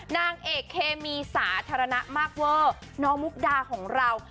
นางเอกเคมีสาธารณะมากเวอร์น้องมุกดาของเรา